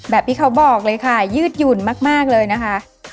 แบบที่เขาบอกเลยค่ะยืดหยุ่นมากเลยนะคะ